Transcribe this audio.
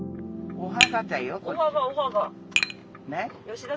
お墓。